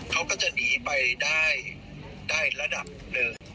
เขาก็จะหนีไปได้ระดับหนึ่ง